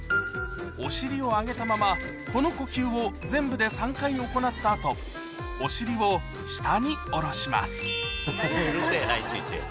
お尻を上げたままこの呼吸を全部で３回行った後お尻を下に下ろしますうるせぇないちいち。